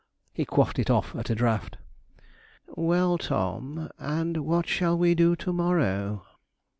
He quaffed it off at a draught. 'Well, Tom, and what shall we do to morrow?'